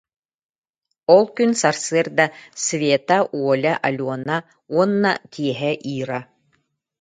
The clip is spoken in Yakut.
Ол күн сарсыарда Света, Оля, Алена уонна киэһэ Ира